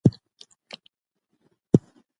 احمدشاه بابا ابداليان د درانیانو په نوم ياد کړل.